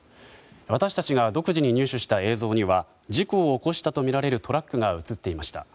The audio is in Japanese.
私たちが独自に入手した映像には事故を起こしたとみられるトラックが映っていました。